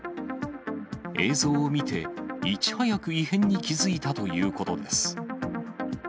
映像を見て、いち早く異変に気付いたということです。